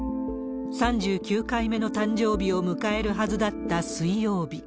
３９回目の誕生日を迎えるはずだった水曜日。